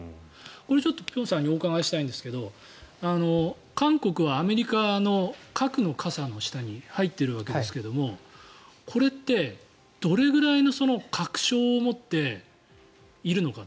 これちょっと辺さんにお伺いしたいんですが韓国はアメリカの核の傘の下に入ってるわけですがこれってどれくらいの確証を持っているのか。